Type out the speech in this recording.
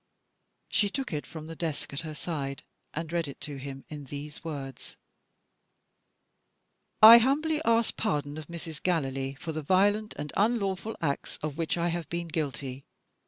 She took it from the desk at her side, and read it to him, in these words: "I humbly ask pardon of Mrs. Gallilee for the violent and unlawful acts of which I have been guilty.